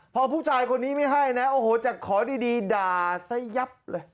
พอผู้ชายคนนี้ไม่ให้นะโอ้โหจะขอดีด่าซะยับเลย